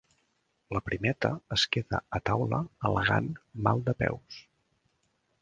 La primeta es queda a taula al·legant mal de peus.